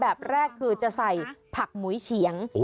แบบแรกคือจะใส่ผักหมุยเฉียง